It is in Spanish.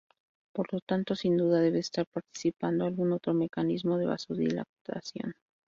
Por lo tanto, sin duda debe estar participando algún otro mecanismo de vasodilatación.